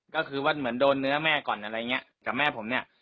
ก็คือว่าเหมือนโดนเนื้อแม่ก่อนอะไรอย่างเงี้ยกับแม่ผมเนี่ย